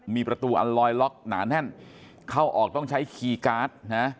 มีประตูอันลอยล็อกหนาแน่นเข้าออกต้องใช้คีย์การ์ดนะ